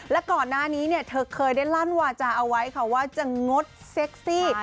และก่อนหน้านี้เธอเคยได้ลั่นวาจารย์เอาไว้ว่าจะงดเซ็กซี่